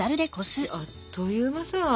あっという間さ！